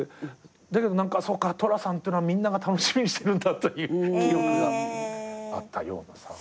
だけどそっか寅さんってのはみんなが楽しみにしてるんだという記憶があったような。